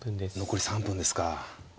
残り３分ですか。